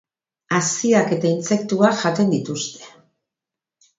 Haziak eta intsektuak jaten dituzte.